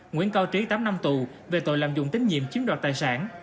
nguyễn cao trí tám năm tù về tội lạm dụng tín nhiệm chiếm đoạt tài sản